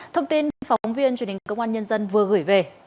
thông tin phóng viên truyền hình công an nhân dân vừa gửi về